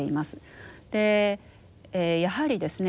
やはりですね